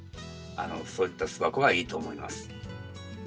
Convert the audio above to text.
そういった巣箱がいいと思います。